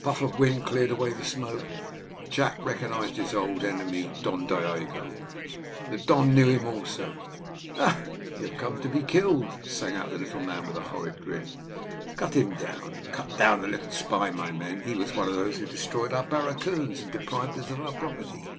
A puff of wind cleared away the smoke: Jack recognised his old enemy, Don Diogo. The Don knew him also. "Ah, ah, have you come to be killed?" sang out the little man, with a horrid grin. "Cut him down, cut down the little spy, my men. He was one of those who destroyed our barracoons and deprived us of our property.